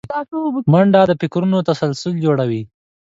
منډه د فکرونو تسلسل جوړوي